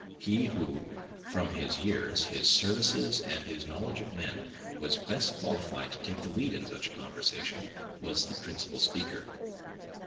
He who, from his years, his services, and his knowledge of men, was best qualified to take the lead in such a conversation, was the principal speaker.